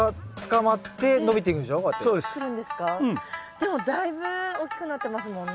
でもだいぶ大きくなってますもんね。